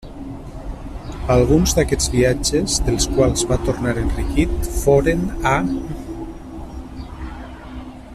Alguns d'aquests viatges, dels quals va tornar enriquit, foren a: